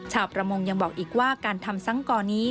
ชาวประมงยังบอกอีกว่าการทำสังกรนี้